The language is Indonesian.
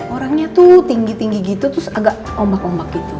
orangnya tuh tinggi tinggi gitu terus agak ombak ombak gitu